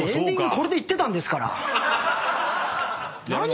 これでいってたんですから。